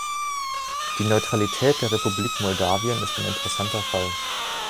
Die Neutralität der Republik Moldawien ist ein interessanter Fall.